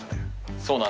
そうなんです。